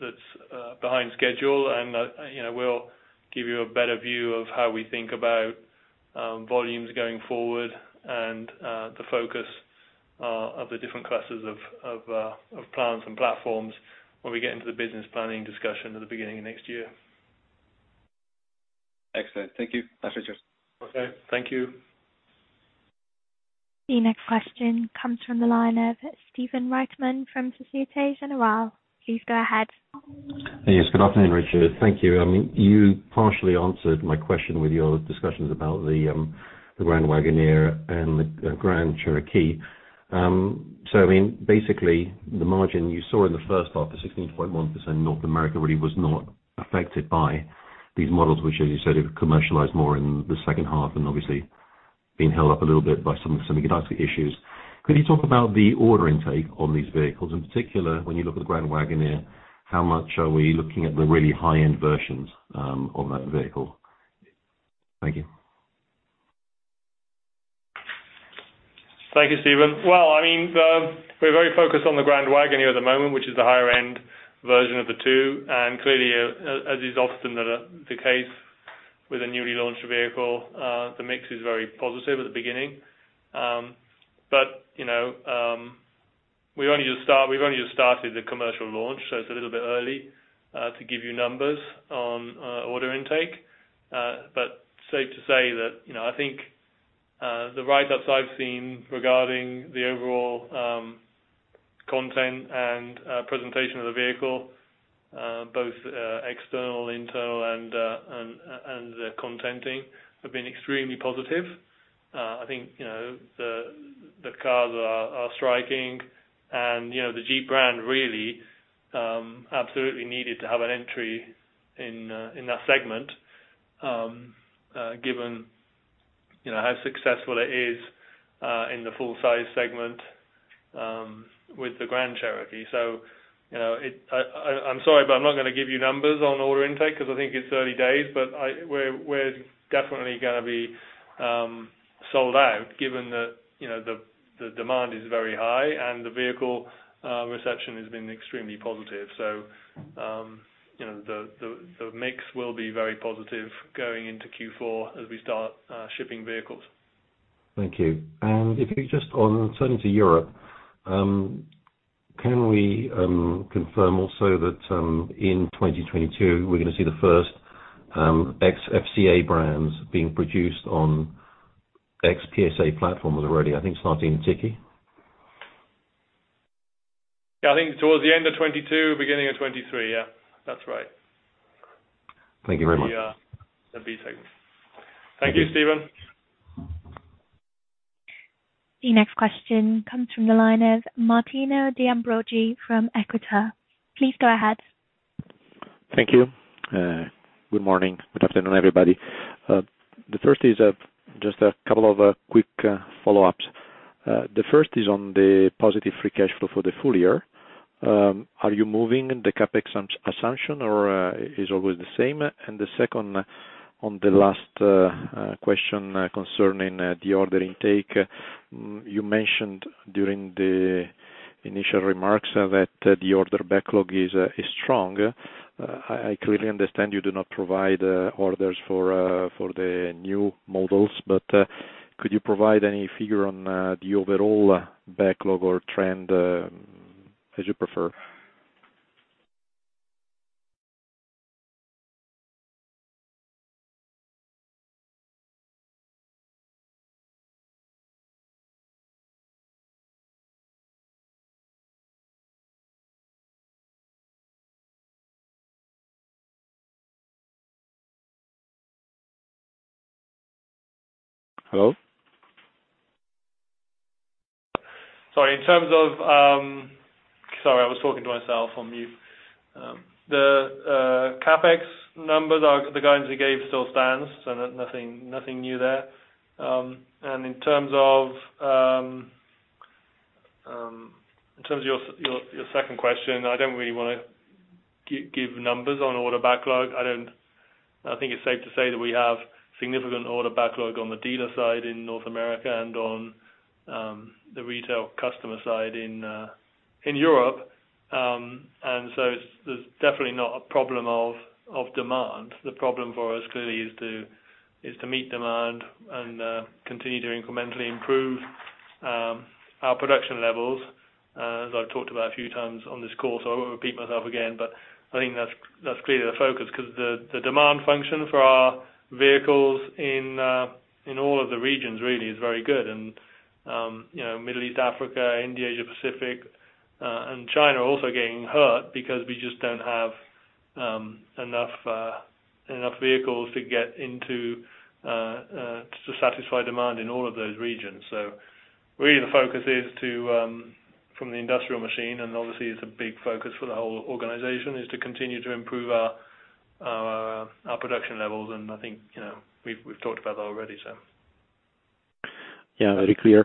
B: that's behind schedule. You know, we'll give you a better view of how we think about volumes going forward and the focus of the different classes of plants and platforms when we get into the business planning discussion at the beginning of next year.
J: Excellent. Thank you. That's it.
B: Okay. Thank you.
A: The next question comes from the line of Stephen Reitman from Société Générale. Please go ahead.
K: Yes. Good afternoon, Richard. Thank you. I mean, you partially answered my question with your discussions about the Grand Wagoneer and the Grand Cherokee. I mean, basically the margin you saw in the H1, the 16.1% North America really was not affected by these models, which as you said, have commercialized more in the H2 and obviously. Being held up a little bit by some of the issues. Could you talk about the order intake on these vehicles? In particular, when you look at the Grand Wagoneer, how much are we looking at the really high-end versions on that vehicle? Thank you.
B: Thank you, Stephen. Well, I mean, we're very focused on the Grand Wagoneer at the moment, which is the higher end version of the 2. Clearly, as is often the case with a newly launched vehicle, the mix is very positive at the beginning. You know, we've only just started the commercial launch, so it's a little bit early to give you numbers on order intake. Safe to say that, you know, I think the write-ups I've seen regarding the overall content and presentation of the vehicle, both external, internal, and the contenting have been extremely positive. I think, you know, the cars are striking and, you know, the Jeep brand really absolutely needed to have an entry in that segment, given, you know, how successful it is in the full-size segment with the Grand Cherokee. I'm sorry, but I'm not going to give you numbers on order intake because I think it's early days. We're definitely gonna be sold out given that, you know, the demand is very high and the vehicle reception has been extremely positive. The mix will be very positive going into Q4 as we start shipping vehicles.
K: Thank you. On turning to Europe, can we confirm also that in 2022 we're going to see the 1st ex-FCA brands being produced on ex-PSA platforms already? I think it's not in Tychy.
B: Yeah, I think towards the end of 2022, beginning of 2023. Yeah. That's right.
K: Thank you very much.
B: Yeah. The B segment. Thank you, Stephen.
A: The next question comes from the line of Martino De Ambroggi from Equita. Please go ahead.
L: Thank you. Good morning. Good afternoon, everybody. The 1st is just a couple of quick follow-ups. The first is on the positive free cash flow for the full year. Are you moving the CapEx assumption or is always the same? The second on the last question concerning the order intake. You mentioned during the initial remarks that the order backlog is strong. I clearly understand you do not provide orders for the new models. Could you provide any figure on the overall backlog or trend, as you prefer? Hello?
B: Sorry, I was talking to myself on mute. The CapEx numbers are the guidance we gave still stands, so nothing new there. In terms of your second question, I don't really want to give numbers on order backlog. I think it's safe to say that we have significant order backlog on the dealer side in North America and on the retail customer side in Europe. There's definitely not a problem of demand. The problem for us clearly is to meet demand and continue to incrementally improve our production levels as I've talked about a few times on this call. I won't repeat myself again, but I think that's clearly the focus. The demand function for our vehicles in all of the regions really is very good. You know, Middle East, Africa, India, Asia Pacific and China are also getting hurt because we just don't have enough vehicles to get into to satisfy demand in all of those regions. Really the focus is to from the industrial machine, and obviously it's a big focus for the whole organization, is to continue to improve our production levels. I think, you know, we've talked about that already.
L: Yeah, very clear.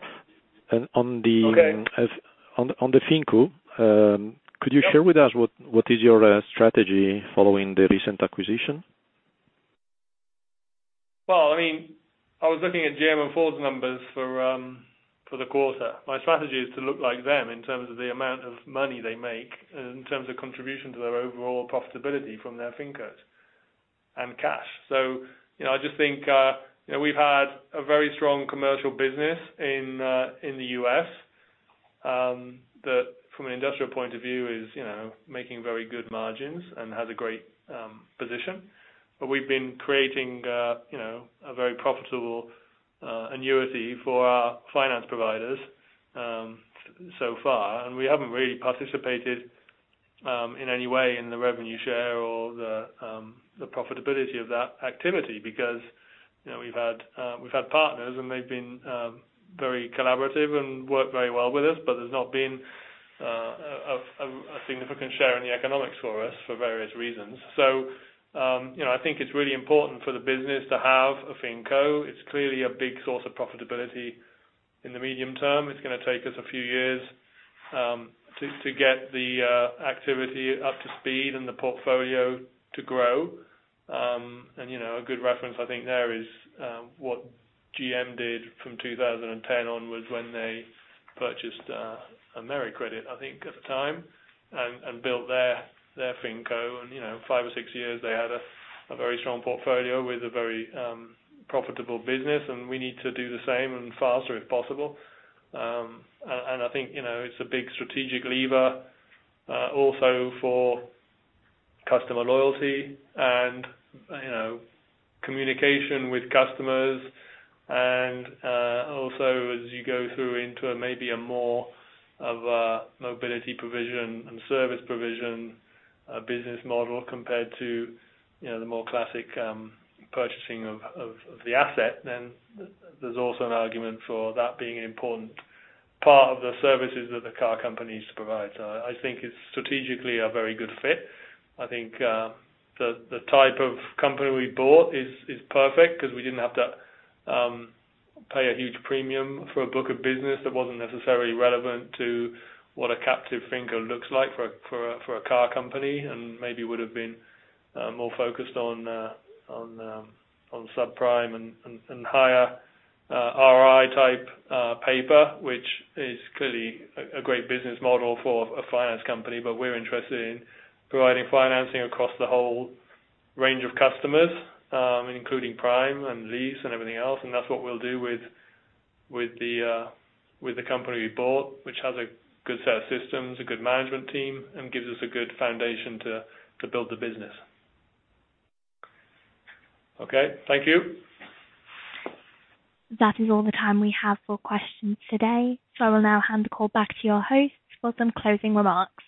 L: On the
B: Okay.
L: On the Finco, could you share with us what is your strategy following the recent acquisition?
B: Well, I mean, I was looking at GM and Ford's numbers for the quarter. My strategy is to look like them in terms of the amount of money they make, in terms of contribution to their overall profitability from their FinCOs and cash. You know, I just think we've had a very strong commercial business in the U.S. that from an industrial point of view is making very good margins and has a great position. But we've been creating a very profitable annuity for our finance providers so far. We haven't really participated in any way in the revenue share or the profitability of that activity because, you know, we've had partners and they've been very collaborative and work very well with us, but there's not been a significant share in the economics for us for various reasons. You know, I think it's really important for the business to have a finco. It's clearly a big source of profitability in the medium term. It's gonna take us a few years to get the activity up to speed and the portfolio to grow. You know, a good reference, I think there is what GM did from 2010 onwards when they purchased AmeriCredit, I think, at the time, and built their finco. You know, 5 or 6 years, they had a very strong portfolio with a very profitable business, and we need to do the same and faster if possible. I think, you know, it's a big strategic lever also for customer loyalty and, you know, communication with customers and also as you go through into maybe a more of a mobility provision and service provision business model compared to, you know, the more classic purchasing of the asset, then there's also an argument for that being an important part of the services that the car companies provide. I think it's strategically a very good fit. I think the type of company we bought is perfect because we didn't have to pay a huge premium for a book of business that wasn't necessarily relevant to what a captive Finco looks like for a car company and maybe would have been more focused on subprime and higher HY type paper, which is clearly a great business model for a finance company. We're interested in providing financing across the whole range of customers, including prime and lease and everything else. That's what we'll do with the company we bought, which has a good set of systems, a good management team, and gives us a good foundation to build the business. Okay. Thank you.
A: That is all the time we have for questions today. I will now hand the call back to your host for some closing remarks.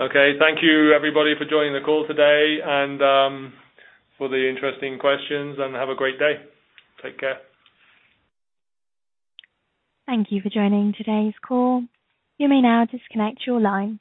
B: Okay. Thank you, everybody, for joining the call today and, for the interesting questions, and have a great day. Take care.
A: Thank you for joining today's call. You may now disconnect your lines.